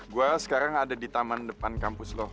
gue sekarang ada di taman depan kampus lo